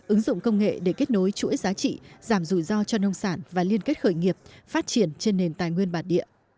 ứng dụng công nghệ để kết nối chuỗi giá trị giảm rủi ro cho nông sản và liên kết khởi nghiệp phát triển trên nền tài nguyên bản địa